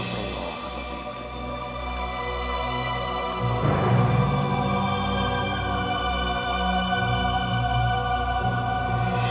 aku tidak ingin mengganggunya